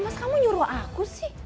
mas kamu nyuruh aku sih